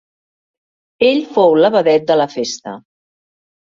Ell fou la vedet de la festa.